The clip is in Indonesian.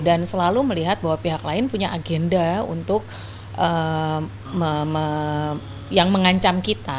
dan selalu melihat bahwa pihak lain punya agenda untuk yang mengancam kita